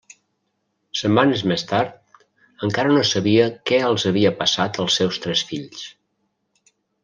Setmanes més tard, encara no sabia què els havia passat als seus tres fills.